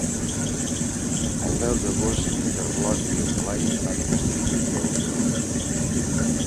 El deu d'agost na Carlota i en Blai van a Castellbell i el Vilar.